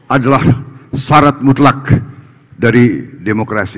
adalah syarat mutlak dari demokrasi